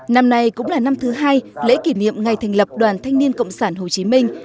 năm nay cũng là năm thứ hai lễ kỷ niệm ngày thành lập đoàn thanh niên cộng sản hồ chí minh